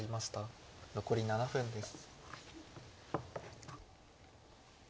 残り７分です。